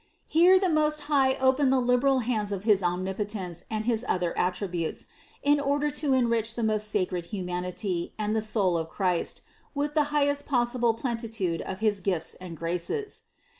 Here the Most High opened the liberal hands of his Omnipo tence and his other attributes, in order to enrich the most sacred humanity and the soul of Christ with the highest possible plenitude of his gifts and graces.